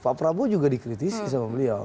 pak prabowo juga dikritisi sama beliau